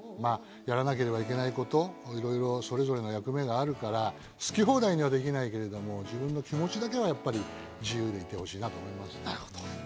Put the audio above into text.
やらなければいけないこと、それぞれの役目があるから、好き放題にはできないけれど、自分の気持ちだけはやっぱり自由でいてほしいなと思います。